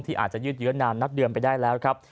อาจจะยืดเยอะนานนับเดือนไปได้แล้วครับ